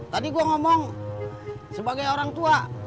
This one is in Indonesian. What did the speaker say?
tadi gue ngomong sebagai orang tua